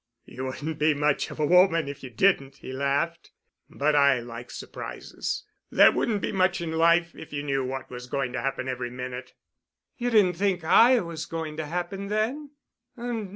"You wouldn't be much of a woman if you didn't," he laughed. "But I like surprises. There wouldn't be much in life if you knew what was going to happen every minute." "You didn't think I was going to happen then?"